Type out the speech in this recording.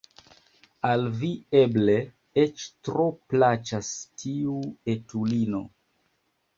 Al vi eble eĉ tro plaĉas tiu etulino!